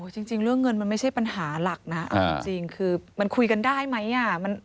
จริงเรื่องเงินมันไม่ใช่ปัญหาหลักนะจริงคือมันคุยกันได้ไหม